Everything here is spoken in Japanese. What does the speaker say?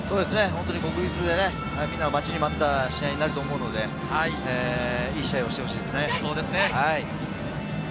国立でみんな待ちに待った試合になると思うので、いい試合をしてほしいですね。